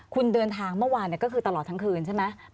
คุณเดินทางเมื่อวานก็คือตลอดทั้งคืนใช่ไหม